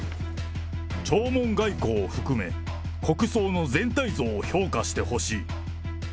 弔問外交を含め、国葬の全体像を評価してほしい。